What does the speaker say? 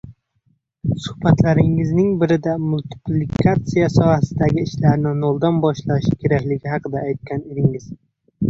suhbatlaringizning birida multiplikatsiya sohasidagi ishlarni noldan boshlash kerakligi haqida aytgan edingiz.